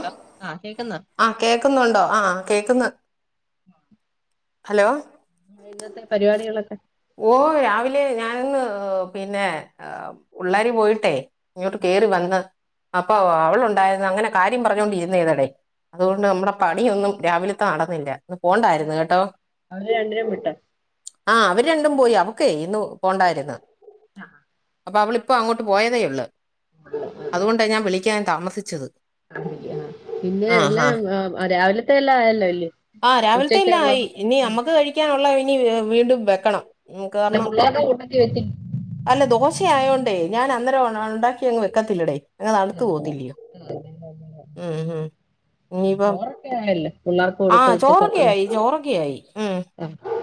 ന്താ? ആഹ് കേക്ക്ന്ന ആഹ് കേൾക്കുന്നുണ്ടോ? ആഹ് കേക്കുന്നു ഹലോ ഇന്നത്തെ പരിപാടികളൊക്കെ? ഓ. രാവിലെ ഞാനന്ന് പിന്നെ ആ പുള്ളാരി പോയിട്ടേ ഇങ്ങോട്ട് കേറി വന്ന് അപ്പാ അ അവളുണ്ടായിര്ന്ന അങ്ങനെ കാര്യം പറഞ്ഞൊണ്ടിരുന്നേന്നടെ. അതുകൊണ്ട് നമ്മുടെ പണിയൊന്നും രാവിലത്തെ നടന്നില്ല. ഇന്ന് പോണ്ടായിരുന്നു വിട്ടോ കെട്ടോ. അവര് രണ്ടിനും വിട്ടോ ആഹ്. അവര് രണ്ടും പോയി. അവക്കെ ഇന്ന് പോണ്ടായിര്ന്ന് അപ്പൊ അവള് പ്പോ അങ്ങോട്ട് പോയതേയുള്ളൂ. അതുകൊണ്ടാ ഞാൻ വിളിക്കാൻ താമസിച്ചത്. പിന്നെ. ആ ഹാ എല്ലാം അ രാവിലത്തെ എല്ലാം ആയല്ലോ ല്ലേ? ആ രാവിലത്തെ എല്ലാ ആയി. ഇനി നമ്മക്ക് കഴിക്കാനുള്ള ഇനി വീണ്ടും വെക്കണം. മു അല്ല കേറണം. പിള്ളേരുടെ കൂട്ടത്തി വെച്ചി അല്ല ദോശയായോണ്ടേ ഞാൻ അന്നേരം ഉണ ഉണ്ടാക്കി അങ്ങ് വെക്കത്തില്ലടേ. അങ്ങെ തണത്ത് പോയിത്തില്ലയോ? ഉം ഉം ഇനിയിപ്പം [unintelligible] ല്ല. ആഹ്. ചോറൊക്കെ ആയി ചോറൊക്കെ ആയി ഉം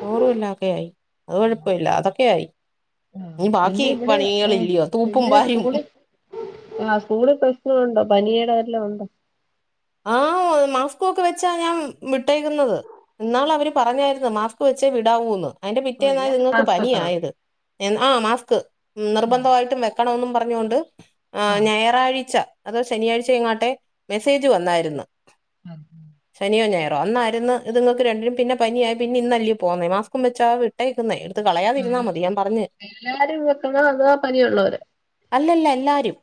ചോറും എല്ലാരുടേ ആയി. അത് കൊഴപ്പല്ല. അതൊക്കെ ആയി. ആഹ് ഇനി പിന്നെ ബാക്കി ഇവിടെ പണികൾ ഇല്ലയോ തൂപ്പും പിന്നെ ഭായും സ്കൂളിൽ ആഹ്. സ്കൂള് പ്പ സ്കു ള് ണ്ടൊ? പനിയുടെതായിട്ട് ള്ളെ ഉണ്ടോ? ആഹ്. മാസ്കോക്കെ വെച്ചാ ഞാൻ വിട്ടേക്കുന്നത്. ഇന്നാള് അവര് പറഞ്ഞായിരുന്നു മാസ്ക് വെച്ചേ വിടാവൂന്ന്! അതിന്റെ ഓഹ് പിറ്റേന്നാ എല്ലാരും ഇതിങ്ങൾക്ക് മാസ്ക് വെക്കണോ പനിയായത്! എന്ത ആ മാസ്ക്. ആഹ് നിർബന്ധമായിട്ടും വെക്കണെന്നും പറഞ്ഞോണ്ട് ആ ഞായറാഴ്ച അതോ ശനിയാഴ്ചയങ്ങാട്ടെ മെസ്സേജ് വന്നായിരുന്ന്. അതെ ശനിയോ, ഞായറോ അന്നായിരുന്ന് ഇത് ങ്ങക്ക് രണ്ടിനും പിന്നെ പനിയായി പിന്നെ ഇന്നല്ലേ പോന്നേ മാസ്കും വെച്ചാ വിട്ടേക്കുന്നെ എടുത്ത് കളയാതിരുന്നാ മതി ഞാൻ പറഞ്ഞ് എല്ലാരും വെക്കണോ അതോ പനിയുള്ളവരോ അല്ലല്ല എല്ലാരും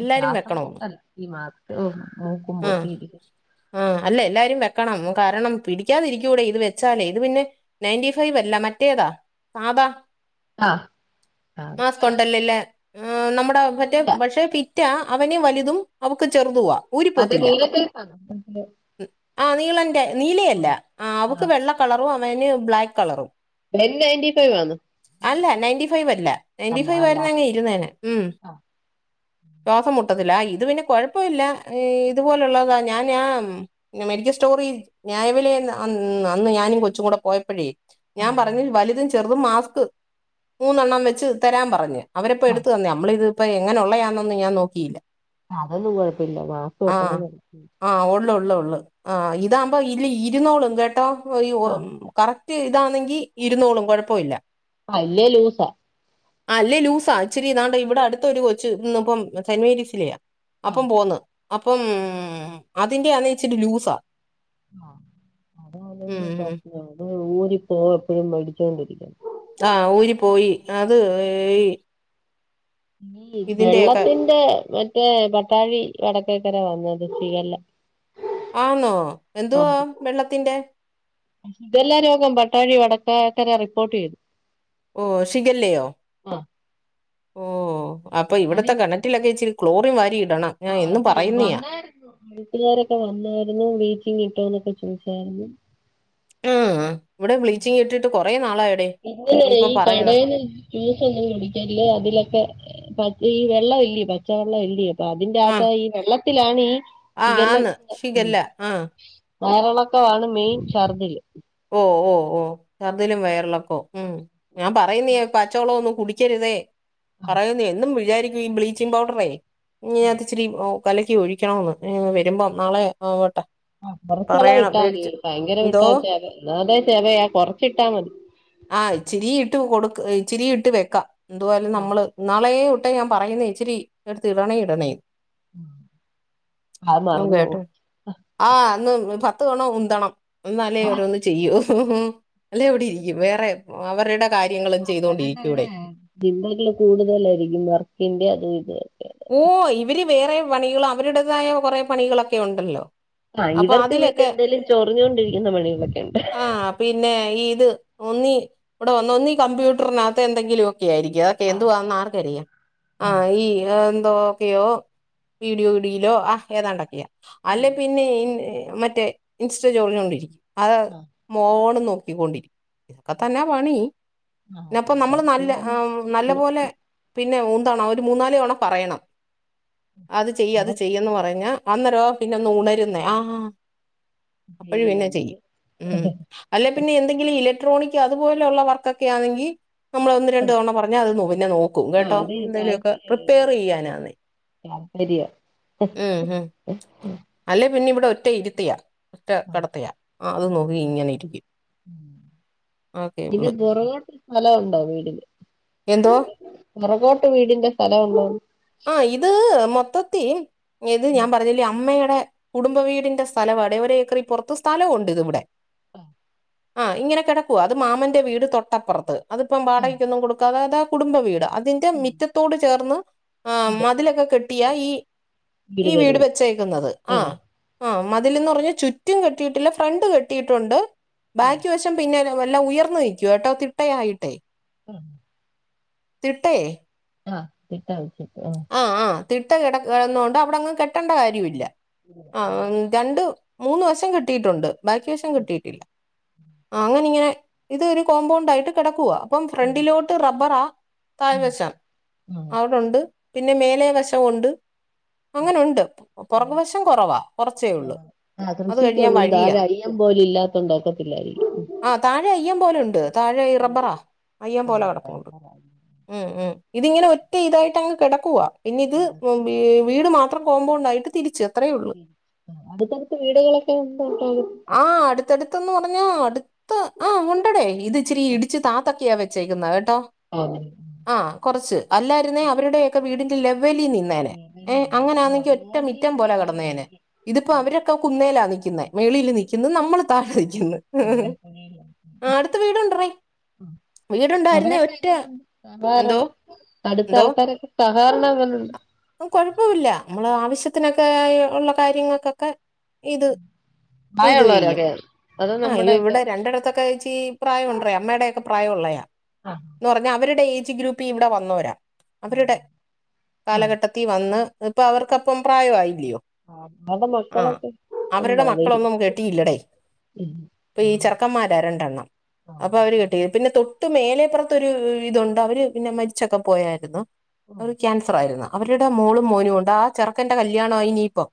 എല്ലാരും ശ്വാസം വെക്കണൊ? മുട്ടല്ല ഈ മാസ്‌കും മൂക്കുമ്പോട്ടീരി ആ അല്ലെ എല്ലാരും വെക്കണം! കാരണം പിടിക്കാതിരിക്കൂടെ ഇത് വെച്ചാലേ ഇത് പിന്നെ നയൻ്റി ഫൈവ് അല്ല മറ്റേതാ സാദാ ആഹ് ആഹ് മാസ്ക്കുണ്ടല്ലല്ലേ? ആ നമ്മുടെ മറ്റേ നീല പക്ഷെ പിറ്റ അവന് വലുതും അവക്ക് ചെറുതുവാ അത് ഊരിപ്പോത്തില്ല [unintelligible] ആ നീളന്റെ നീലയല്ല! അവക്ക് ആഹ് വെള്ള കളറും അവന് ബ്ലാക്ക് കളറും. [unintelligible] നയന്റി ഫൈവ് ആന്ന്. അല്ല നെയന്റിഫൈവ് അല്ല നയന്റി ഫൈവ് അല്ല ആയിരുന്നങ്കി ഇരുന്നേനെ ഉം ആഹ് ശ്വാസംമുട്ടത്തില്ല ഇത് പിന്നെ കൊഴ പ്പല്ല ഇതുപോലുള്ളതാ ഞാന് ആം പിന്നെ മെഡിക്കസ്റ്റോറിൽ ന്യായവിലഎന്ന് അന്ന് അന്ന് ഞാനും കൊച്ചും കൂടെ പോയപ്പോഴേ ആഹ് ഞാൻ അതാണ് പറഞ്ഞഞ് വലുതും ചെറുതും മാസ്ക് മൂന്നെണ്ണം വെച്ച് തരാൻ പറഞ്ഞ് അവരപ്പോ ആഹ് എടുത്തു തന്നെ നമ്മള ഇതിപ്പോ എങ്ങനെയുള്ളതണന്നുംഞാൻ നോക്കീല്ല അതൊന്നും കുഴപ്പില്ല വാ ആഹ ആ ഉള്ളു ഉള്ളു ഉള്ളു ആ ഇതാകുമ്പോ ഇല് ഇരുന്നോളും കേട്ടോ. ആഹ് [inaudible] കറക്റ്റ് ഇതാണെങ്കി ഇരുന്നോളും കുഴപ്പോംല്ല. വല്യ ലൂസാ ആ അല്യ ലൂസാ ഇച്ചിരി ഇതാണ്ട് ഇവിടെ അടുത്ത ഒരു കൊച്ച് നിന്ന് ഇപ്പം സെന്റ് മേരീസിലെയാ ആഹ് അപ്പം പോന്ന് അപ്പം അതിന്റെ ആന്നേ ച്ചിരിലൂസാ. അതല്ലെങ്കും ഉം. പ്രശ്ന അ ഊരി പോവാ എപ്പോഴും മടിച്ചോണ്ടിരിക്കണം! ആ ഊരി പോയി അത്.... ഈ ഇതിന്റെയൊക്കെ വെള്ളത്തിന്റെ മറ്റേ പട്ടാഴി വടക്കേക്കര വന്നത് ശീഗല്ല ആന്നോ എന്തുവാ വെള്ളത്തിന്റെ? ശിഗല്ല രോഗം പട്ടാഴി വടക്കാകര റിപ്പോർട്ട് ചെയ്തു ഓ ശിഖല്ലയോ ആഹ് ഓ അപ്പൊ അതീ ഇവിടത്തെ കണ വീട്ടിലൊക്കെ ഇച്ചിരി ക്ലോറിൻ വാരി ഇടണം ഞാൻ ആഹ് എന്നും അത് പറയുന്നെയാ. വന്നായിരുന്നു വീട്ടുകാരൊക്കെ വന്നായിരുന്നു ബീച്ചിങ് ഇട്ടോ എന്നൊക്കെ ചോയിച്ചായിരുന്നു ആ ഇവിടെ ബ്ലീച്ചിങ് ഇട്ടിട്ട് കുറെ നാളായടെ ഇനിയിപ്പം പറയണം [unintelligible] കുടിക്കല്ലെ അതിലൊക്കെ ഈ വെള്ളം ഇല്യോ പച്ചവെള്ളം ഇല്യോ പ്പ അതിന്റെ ആ അകത്ത് ഈ വെള്ളത്തിലാണ് ഈ ആ ശിഖല്ല ആന്ന് ഉം ഷിഗല്ല ആ വയറളക്കമാണ് മെയിൻ ഛർദില് ഓ ഓ ഓ ചർദിലും വയറളക്കോ ഉം ഞാൻ പറയുന്നീ പച്ചോളം ഒന്നും കുടിക്കരുതേ പറയുന്നു എന്നും വിചാരിക്കും ഈ ബ്ലീച്ചിങ് പൗഡറെ ഇനി ഇച്ചിരി കലക്കി ഒഴിക്കണോന്ന് വരുമ്പോ നാളെ ആവട്ടെ ആ കൊറച്ചളവ് പറയണം ഇട്ടാൽ മതി മേടിച്ച് ഭയങ്കര എന്തോ വിട്ടാ ചെവ എന്നാ അതെ ചെവയാ കൊറച്ചിട്ടാ മതി ആ ഇച്ചിരിയിട്ട് കൊടുക്ക് ഇച്ചിരി ഇട്ട് വെക്കാം എന്തോന്നാലും നമ്മള് നാളെ ട്ട ഞാൻ പറയുന്നേ ഇച്ചിരി എടുത്ത് ഇടണേ ഇടണേ അത് [unintelligible] മറന്നു വേട്ട പോവും ആ അന്ന് പത്ത് കൊണം ഉന്തണം ഇന്നാലെ ഓരോന്ന് ചെയ്യും അല്ല ഇവിടെ ഇരിക്കും വേറെ അവരുടെ കാര്യങ്ങള് ചെയ്തോണ്ടിരിക്കുടെ പിന്നല്ലത് കൂടുതലായിരിക്കും വർക്കിന്റെ അതും ഇതൊക്കെ ഓ ഇവര് വേറെ പണികൾ അവരുടേതായ കൊറെ പണികളൊക്കെ ഉണ്ടല്ലോ ആ അപ്പൊ ഇവർക്ക് പിന്നെ അതിലൊക്കെ എന്തേലും ചൊറിഞ്ഞോണ്ടിരിക്കുന്ന പണികളൊക്കെണ്ട് ആ പിന്നെ ഇത് ഒന്നി ഇവിടെ വന്ന് ഒന്നീ കമ്പ്യൂട്ടറിനകത്ത് എന്തെങ്കിലും ക്കെയായിരിക്കും അതൊക്കെ എന്തുവാ ആർക്കറിയാം ആ ഈ എന്തോക്കെയോ വീഡിയോ ഇടിലോ ആ ഏതാണ്ടൊക്കെയാ അല്ലെ പിന്നെ മറ്റേ ഇൻസ്റ്റ [unintelligible] കൊണ്ടിരിക്കും അഹ് ആഹ് ഫോണ് നോക്കിക്കൊണ്ടിരിക്ക അതന്നെ പണി ആഹ് അത് പിന്നപ്പംനമ്മള് നല്ല അവർക്കും നല്ല ഇ- പോലെ പിന്നെ ഉന്തണം ഒരു മൂന്നാല് തവണ പറയണം അത് ചെയ്യ് അത് അവർ ചെയ്യന്ന് പറഞ്ഞ അന്നരോ പിന്നെ ഒന്ന് ഉണരുന്നേ ആ അപ്പഴും പിന്നെ ചെയ്യ് ചെയ്തില്ലെന്നില്ലേ ഉം അല്ല പിന്നെ എന്തെങ്കിലും ഇലക്ട്രോണിക് അതുപോലെയുള്ള വർക്കൊക്കെ ആണെങ്കിൽ നമ്മള് ഒന്ന് രണ്ടു തവണ പറഞ്ഞൽ അത് പിന്നെ നോക്കും ആഹ് കേട്ടോ അത് എന്തേലെക്കെ പ്രിപ്പയർ ചെയ്യാനാണ് ശരിയ ഉം ഉം അല്ലേ പിന്നെ ഇവിടെ ഒറ്റ ഇരുത്തിയാ [unintelligible] കെട്ത്തിയാ അത് നോക്കി ഇങ്ങനെ ഇരിക്കും ഓക്കെ പിന്നെ ഉള്ളു പെറകോട്ട് സ്ഥലവുണ്ടോ വീടിന് എന്തോ പെറകോട്ട് വീടിന്റെ സ്ഥലം ഉണ്ടോ ആ ഇത് മൊത്തത്തി ഇത് ഞാൻ പറഞ്ഞില്ലേ അമ്മേടെ കുടുംബ വീടിന്റെ സ്ഥലവാണ്ടേ ഒരോക്കറിപൊറത്ത് സ്ഥലവുണ്ട് ഇത് ഇവിടെ ആഹ് ആഹ ഇങ്ങനെ കെടക്കുവ അത് മാമന്റെ വീട് തൊട്ടപ്പറത്ത് അതിപ്പം ആഹ് വാടകയ്ക്കൊന്നും കൊടുക്കാതെ കുടുംബ വീട് അതിന്റെ മിറ്റത്തോട് ചേർന്ന് ആ ഇത് മതിലൊക്കെ കെട്ടിയ ഈ ഈ വീട് വച്ചേക്കുന്നത് ആഹ് ആ മതിലന്ന് പറഞ്ഞാ ചുറ്റും കെട്ടിയിട്ടില്ല ഫ്രണ്ട് കെട്ടിയിട്ടുണ്ട് ആഹ് ബാക്കി വശം പിന്നെ വല്ല ഉയർന്നു നിൽക്കുവട്ടോ തിട്ടായായിട്ടെ ആഹ തിട്ടേ ആ തിട്ടയായിട്ടേ ആ ആ ആ തിട്ട കെട കെടന്നോണ്ട് അവിടെങ്ങ് കെട്ടേണ്ട കാര്യവില്ല ആ രണ്ടു മൂന്ന് വശം കെട്ടിയിട്ടുണ്ട് ബാക്കി വശം കെട്ടിയിട്ടില്ല ആ അങ്ങനെ ഇങ്ങനെ ഇതൊരു കോമ്പൗണ്ടായിട്ട് കെടക്കുവാ അപ്പം ആഹ് ഫ്രണ്ടിലോട്ട് റബ്ബറാ താഴ്വശം ആഹ് അവിടുണ്ട് പിന്നെ മേലെ വശം ഉണ്ട് അങ്ങനെ ഉണ്ട് പൊറക് വശം കൊറവാ കൊറച്ചേ ഉള്ളൂ ആഹ അത് കഴിഞ്ഞാൽ കൃഷിക്കെന്നും വഴിയാ ധാരാ അയ്യൻ പോലെ ഇല്ലാത്തോണ്ടോക്കത്തില്ലായിരിക്കും ആ താഴെ അയ്യം പോലെ ഉണ്ട് താഴെ റബ്ബറാ അയ്യം ആ, പോലെ ആ, കെടപ്പുണ്ട് ആ, ഉം ഉം ഇതിങ്ങനെ ഒറ്റ ഇതായിട്ട് അങ്ങ് കെടക്കുവാ പിന്നെ ഇത് ആ, ഉം വീ വീട് മാ ത്രം കോമ്പൗണ്ട് ആയിട്ട് തിരിച്ച് അത്രേ ഉള്ളൂ ഉം ഉം അടുത്തടുത്ത് വീടുകളൊക്കെ ഉണ്ടോ [unintelligible] ആഹ് അടുത്തടുത്തന്ന് പറഞ്ഞ അടുത്ത് ആ ഉണ്ടടേ ഇത് ഇച്ചിരി ആ, ഇടിച്ച് താത്തക്കിയ വെ ച്ചെക്കുന്നേ കേട്ടോ. [unintelligible] ആ കൊറച്ച് അല്ലായിരുന്നേ അവരുടെയൊക്കെ വീടിന്റെ ലെവലിൽ നി ന്നേനെ ഏ അങ്ങനാന്നെങ്കി ഒറ്റ മിറ്റം റോഡിന് പോലെ കെടന്നേനെ താഴെയായി ഇതിപ്പോ അവരൊക്കെ കുന്നേലാ നിക്കുന്നേ മേളില് നിക്കുന്നു നമ്മള് താഴെ നിക്കുന്ന്. ഉം ആ അടുത്ത് വീടുണ്ടറേ ഉം വീടുണ്ടായിരുന്നേ അവരൊക്കെ ഒറ്റ എങ്ങനുണ്ട് സഹാരണം എന്തോ അടുത്ത എന്തോ ആൾക്കാരൊക്കെ സഹകരണം എങ്ങനുണ്ട് ഉം കൊഴപ്പമില്ല മ്മള് ആവശ്യത്തിനൊക്കെ ഉള്ള കാര്യങ്ങൾക്കൊക്കെ ഇത് മയം ഇത് ചെയ്യും ഉള്ളോരൊക്കെ ആ ഇവിടെ രണ്ടടത്തൊക്കെ ഇച്ചി പ്രായം ഉണ്ടറേ അമ്മടെയൊക്കെ പ്രായം ഉള്ളയാ എന്ന് പറഞ്ഞാ അവരുടെ ഏജ് ഗ്രൂപ്പീ ഇവിടെ വന്നോരാ അവരുടെ കാലഘട്ടത്തിൽ വന്ന് ഇപ്പൊ അവർക്കപ്പം പ്രായം ആയില്യോ? അവരുടെ ആഹ് മക്കളൊക്കെ അവരുടെ ഉണ്ടോ അവര് മക്കളൊന്നും കെട്ടിയില്ലടേ. ഇപ്പോയീ ചെറക്കന്മാരാ രണ്ടെണ്ണം അപ്പൊ അവര് കെട്ടി പിന്നെ തൊട്ട് മേലെപ്പുറത്തൊരു ഇതുണ്ട് അവര് പിന്നെ മരിച്ചൊക്കെ പോയായിരുന്നു അവ് ക്യാൻസർ ആയിരുന്നു അവരുടെ മോളും മോനും ഒണ്ട് ആ ചെറുക്കന്റെ കല്യാണാ ഇനിയിപ്പോ.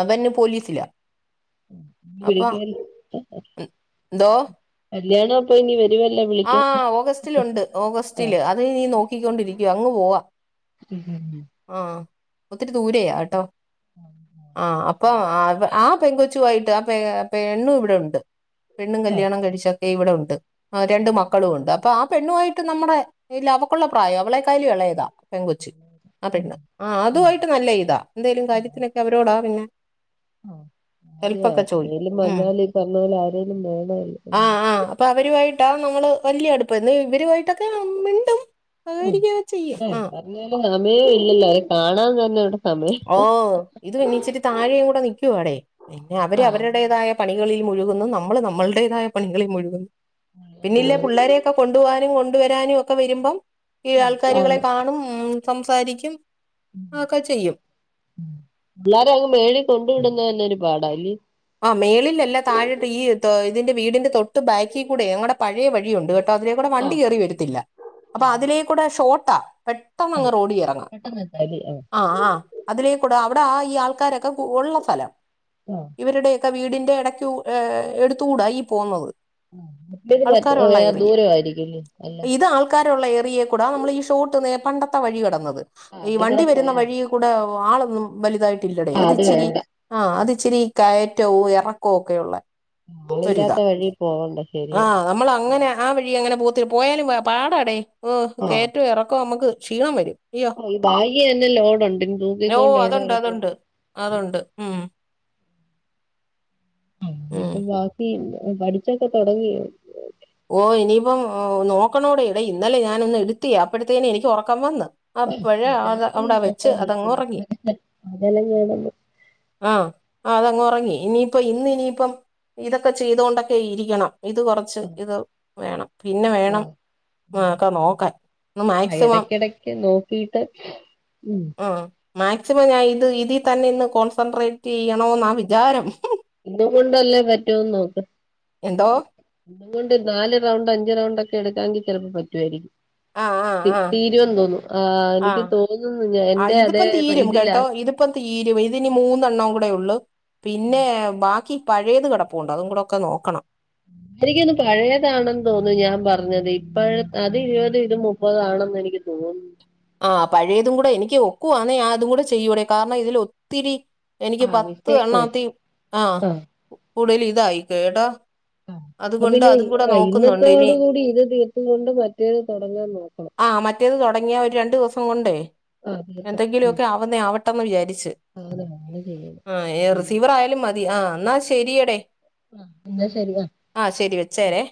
അവൻ പോലീസിലാ ഉം അപ്പൊ വിളിക്കല്ലോ ആ എന്തോ കല്യാണം അപ്പൊനി വരുവല്ലോ വി ആ ഓഗസ്റ്റിലുണ്ട് ഓഗസ്റ്റില് അത് നീ നോക്കിക്കൊണ്ടിരിക്കുവ അങ്ങ് പോവാ. ഉഹും ഉം ആഹ് ഒത്തിരി ദൂരയാ എട്ടോ ആ അപ്പൊ ആ പെങ്കൊ ച്ചു ആയിട്ട് ആ പെ ഏ് പെണ്ണും ഇവിടെ ഒണ്ട് പെണ്ണും കല്യാണം കഴിച്ചൊക്കെ ഇവിടെ ഉണ്ട്. ആ രണ്ടു മക്കളും ഉണ്ട് അ പ്പൊ ആ പെണ്ണു ആയിട്ട് നമ്മുടെ ഇല്ല അവക്കുള്ള പ്രായം അവളെ കായിലും എളയതാ പെൺ കൊച്ച്. ആ [unintelligible] ആഹ് അതു ആയിട്ട് നല്ല ഇതാ എന്തേലും കാര്യത്തിനൊക്കെ അവരോടാ പിന്നെ. ആ അതെയാ ഹെൽപ്പൊക്കെ ചോദിക്കും എന്തേലും ഉം. [unintelligible] പോലെ ആരേലും വേണല്ലോ ഉം ഇപ്പൊ അവരു ആയിട്ടാ നമ്മള് വല്ല്യ അടുപ്പം എന്ന ഇവരു ആയി ഉം [unintelligible] ചെയ്യും ആ ല്ലേലും സമയേ ഇല്ലേലോ അവരെ കാണാൻ തന്നെ ഇവടെ. ഓ ഇത് പിന്നെച്ചിരി താഴെയും കൂടെ നിക്കുവാടെ പിന്നെ അവര് അവരുടേതായ പണി കളിൽ മുഴുകുന്നു നമ്മള് നമ്മു ളുടേതായ പണികളിൽ മുഴുകുന്നു. പിന്നിയിലേ പുള്ളേര്യൊക്കെ കൊണ്ടുവാനും കൊണ്ടുവരാനും ഒക്കെ വരുമ്പം ഈ ആൾക്കാരുകളെ ആണ് കാണും ഉം സംസാരിക്കും ഒക്കെ ചെയ്യും. ഉം പിള്ളേരെ അങ്ങ് മേളിൽ കൊണ്ടു വിടുന്നതന്നെ ഒരു പാടാ ആ മേളിലല്ല താഴോട്ട് ഈ തൊ ഇതിന്റെ വീടിന്റെ തൊട്ടു ബാക്കി കൂടെ ഞങ്ങടെ പഴേ വഴിയുണ്ട്. കേ ട്ടോ അതിലേ കൂടെ വണ്ടി ആഹ് കേറി വരത്തില്ല. അപ്പൊ അതിലേ കൂടെ ഷോർട്ടാ പെ ട്ടന്നങ്ങ് റോഡി ഇറങ്ങാം. ആ ആ അതിലേക്കൂടെ അവിടെ ആ ഈ ആൾക്കാരൊക്കെ കൂ ഉള്ള സ്ഥലം. ഉം ഇവരുടെയൊക്കെ വീടിന്റെ എടയ്ക്കു എ് എടുത്തൂടാ ഈ പോന്നത്. ആ മറ്റത് [unintelligible] വേറെ ദൂരം ആയിരിക്കുംല്ലേ നല്ലം. ഇത് ആൾക്കാരുള്ള എറിയെ കൂടെ നമ്മൾ ഈ ഷോട്ട് നേ പണ്ടത്തെ വഴി കെടന്നത്. ആ ഈ അതേ കൂടെ വണ്ടി വരുന്ന പോയാ വഴി കൂടെ ആളൊന്നും വലുതായിട്ടില്ലടെ ആ അത് ഇച്ചിരി. വേണ്ട ആഹ് അത് ഇച്ചിരി കയറ്റവും എറക്കവും ഒക്കെ ഉള്ള. ഒരിതാ ആളില്ലാത്ത വഴി പോവണ്ട ആ ശരിയാ നമ്മൾ അങ്ങനെ ആ വഴി അങ്ങനെ പോത്തി പോയാലും പാടാടി. ആഹ് കേറ്റവും ഇറക്കവും നമുക്ക് ക്ഷീണം വരും. അയ്യോ ഈ ബായ്ഗ് തന്നെ ലോഡുണ്ട് ഓ തൂക്കികൊണ്ട് എവിടെ അതുണ്ട് വരെ പോകും. അതുണ്ട് അതുണ്ട് ഉം. ആ ഉം ഇപ്പൊ ബാക്കി പഠിച്ചൊക്കെ തുടങ്ങിയോ? ഓ ഇനിയിപ്പം നോക്കണോടി ഇടെ ഇന്നലെ ഞാനൊന്ന് എടുത്തി. അപ്പഴതേനും എനിക്ക് ഉറക്കം വന്ന്. അപ്പഴ അ അവിട വെച്ച് അതങ്ങ് ഉറങ്ങി. അതെല്ലാം വേണന്ന് ആ ആ അതങ്ങ് ഉറങ്ങി. ഇനിയിപ്പം ഇന്ന് ഇനിയിപ്പം ഇതൊക്കെ ചെയ്തുകൊണ്ടൊക്കെ ഇരിക്കണം. ഇത് കൊറച്ച് ഇത്. വേണം പിന്നെ വേണം ആഹ് ഒക്കെ നോക്കാൻ ഒന്ന് മാക്സിമം. ടക്ക് നോക്ക [unintelligible] ഉം ആ മാക്സിമം ഞാൻ ഇത് ഇതിൽ തന്നെ ഇന്ന് കോൺസെൻട്രേറ്റ് ചെയ്യണോന്ന വിചാരം. ഇന്ന് കൊണ്ടല്ലേ പറ്റോന്ന് നോക്ക്. എന്തോ അതുകൊണ്ട് നാല് റൗണ്ട് അഞ്ച് റൗണ്ട് ഒക്കെ എടുക്കാങ്കിൽ ചെലപ്പം പറ്റുവായിരിക്കും. ആഹ് ആഹ് ആഹ് തീരുമെന്ന് തോന്നുന്നു ആ എനിക്ക് ആഹ് തോന്നുന്നു. എൻന്റെ അതേ ഇതിലാ. ഇപ്പം തീരും ഇതിനി മൂന്നെണ്ണം കൂടെയള്ളൂ. പിന്നെ ബാക്കി പഴയത് കടപ്പുണ്ട് അതും കൂടെക്കെ നോക്കണം. എനിക്കൊന്ന് പഴയതാണെന്ന് തോന്നുന്നു. ഞാൻ പറഞ്ഞത് ഇപ്പഴ അത് ഇരുപത്. ഇത് മു മുപ്പതാണെന്ന് എനിക്ക് തോന്നുന്നു. ആ പഴയതും കൂടെ എനിക്ക് ഒക്കുവാന്നേ ഞാൻ അതും കൂടെ ചെയ്യൂടി. കാരണം ഇതിൽ ഒത്തിരി. എനിക്ക് ആഹ് പത്ത് മിസ്റ്റേക്ക് പറ്റി എണ്ണാത്തി ആ ആഹ് കൂടുതൽ ഇതായിക്ക ട്ടാ അപ്പ പിന്നെ ഇന്നത്തോട് കൂടി ഇത് തീർത്തുകൊണ്ട്. മറ്റേത് തുടങ്ങാൻ നോക്കണം. ആ മറ്റേത് തുടങ്ങിയാൽ ഒരു രണ്ട് ദിവസം കൊണ്ടേ. ആഹ് എന്തെങ്കിലുമൊക്കെ ആവുന്ന ആവട്ടെന്ന് വിചാരിച്ച്. അത അങ്ങെനെ ചെയ്യല്. ആ ഉം റിസീവർ ആയാലും ആ എന്നാ ശരിയടി. ആ എന്നാ ശരിയാ. ആഹ ശെരി വെച്ചേരെ.